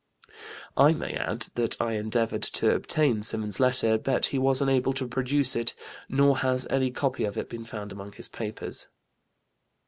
I may add that I endeavored to obtain Symonds's letter, but he was unable to produce it, nor has any copy of it been found among his papers.